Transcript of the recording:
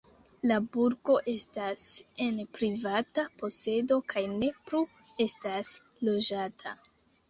La burgo estas en privata posedo kaj ne plu estas loĝata.